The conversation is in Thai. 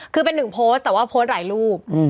คือเป็นหนึ่งโพสต์แต่ว่าโพสต์หลายรูป